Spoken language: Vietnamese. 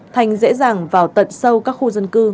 thành dễ dàng vào tận sâu các khu dân cư